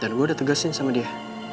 dan gue udah tegasin sama dia